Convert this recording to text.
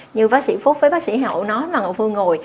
như bác sĩ phúc với bác sĩ hậu nói là ngọc phương ngồi